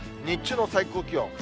日中の最高気温。